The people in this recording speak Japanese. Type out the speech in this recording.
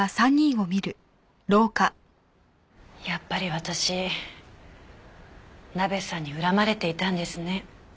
やっぱり私ナベさんに恨まれていたんですね。